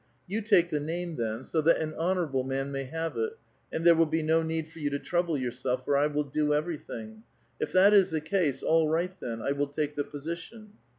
—" You take the name then, so that an honorable man may have it, and there will be no need for you to trouble 3'ourself , fori will do everything." — ''If that is the case, all right then ; I will take the position."